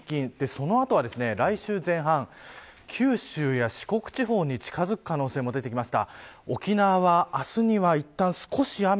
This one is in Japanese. その後は来週前半九州や四国地方に近づく可能性も出てきました。